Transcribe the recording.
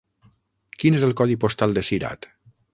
Quin és el codi postal de Cirat?